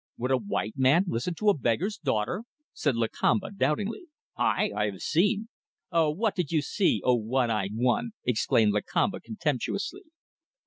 "Would a white man listen to a beggar's daughter?" said Lakamba, doubtingly. "Hai! I have seen ..." "And what did you see? O one eyed one!" exclaimed Lakamba, contemptuously.